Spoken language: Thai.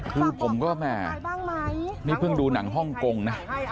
คือผมก็แม่นี่เพิ่งดูหนังฮ่องกงนะ